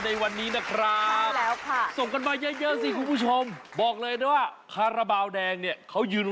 เดินดูจะบอกไหน